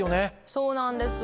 そうなんです。